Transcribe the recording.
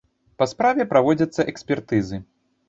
Па справе праводзяцца экспертызы.